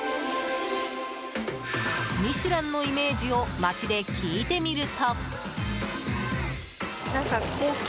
「ミシュラン」のイメージを街で聞いてみると。